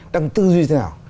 đang tư duy thế nào